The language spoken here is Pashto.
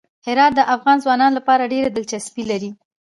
هرات د افغان ځوانانو لپاره ډېره دلچسپي لري.